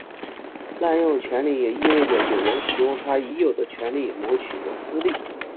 滥用权力也意味着有人使用他已有的权力谋取私利。